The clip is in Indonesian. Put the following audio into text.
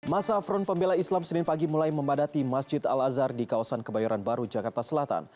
masa front pembela islam senin pagi mulai membadati masjid al azhar di kawasan kebayoran baru jakarta selatan